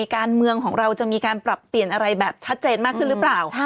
การเมืองของเราจะมีการปรับเปลี่ยนอะไรแบบชัดเจนมากขึ้นหรือเปล่า